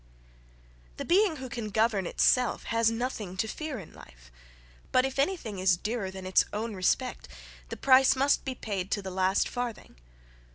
The being who can govern itself, has nothing to fear in life; but if any thing is dearer than its own respect, the price must be paid to the last farthing.